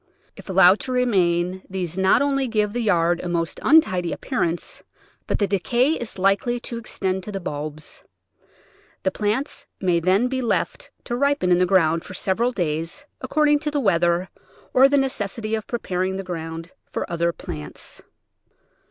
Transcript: If allowed to remain, these not only give the yard a most untidy appearance, but the decay l8 $ Digitized by Google 186 The Flower Garden [Chapter is likely to extend to the bulbs. The plants may then be left to ripen in the ground for several days, accord ing to the weather, or the necessity of preparing the ground for other plants.